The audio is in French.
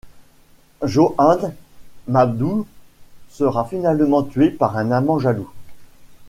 Joan Madou sera finalement tuée par un amant jaloux.